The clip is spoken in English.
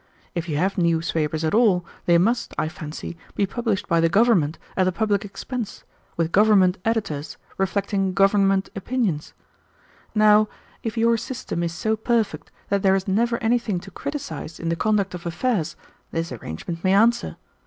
If you have newspapers at all, they must, I fancy, be published by the government at the public expense, with government editors, reflecting government opinions. Now, if your system is so perfect that there is never anything to criticize in the conduct of affairs, this arrangement may answer.